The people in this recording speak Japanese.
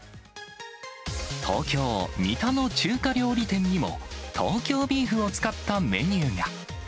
東京・三田の中華料理店にも、東京ビーフを使ったメニューが。